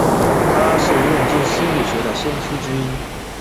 他是认知心理学的先驱者之一。